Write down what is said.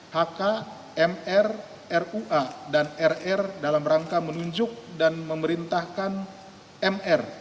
dan hk mr rua dan rr dalam rangka menunjuk dan memerintahkan mr